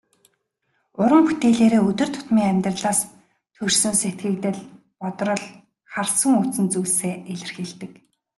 Уран бүтээлээрээ өдөр тутмын амьдралаас төрсөн сэтгэгдэл, бодрол, харсан үзсэн зүйлсээ илэрхийлдэг.